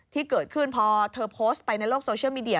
ที่เกิดขึ้นพอเธอโพสต์ไปในโลกโซเชียลมีเดีย